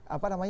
kalau ada yang